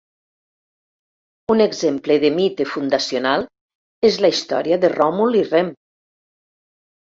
Un exemple de mite fundacional és la història de Ròmul i Rem.